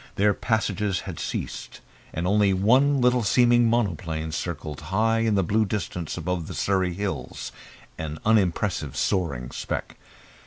Their passages had ceased, and only one little seeming monoplane circled high in the blue distance above the Surrey Hills, an unimpressive soaring speck.